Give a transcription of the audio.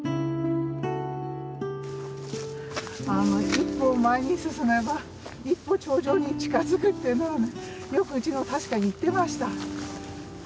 一歩前に進めば一歩頂上に近づくっていうのはよくうちの確かに言ってました。